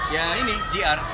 yang ini gr